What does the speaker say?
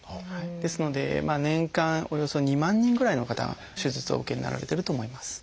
ですので年間およそ２万人ぐらいの方が手術をお受けになられてると思います。